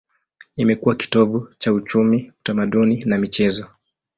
Imekuwa kitovu cha uchumi, utamaduni na michezo.